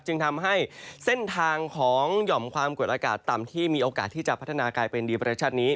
จึงทำให้เส้นทางของหย่อมความกดอากาศต่ำที่มีโอกาสที่จะพัฒนากลายเป็นดีประเทศชาตินี้